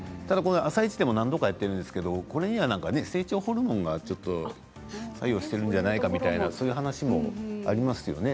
「あさイチ」でも何度かやってるんですけれどもこれには成長ホルモンが作用しているんじゃないかという話もありますね。